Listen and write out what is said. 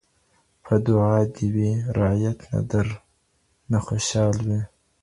په دعا دي وي رعیت درنه خوشال وي